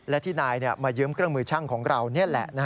และที่นายมายืมเครื่องมือช่างของเรานี่แหละ